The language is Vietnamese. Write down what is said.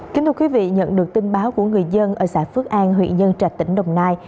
kính thưa quý vị nhận được tin báo của người dân ở xã phước an huyện nhân trạch tỉnh đồng nai